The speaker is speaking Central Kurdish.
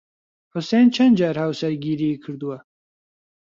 حوسێن چەند جار هاوسەرگیریی کردووە؟